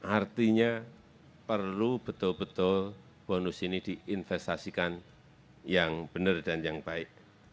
artinya perlu betul betul bonus ini diinvestasikan yang benar dan yang baik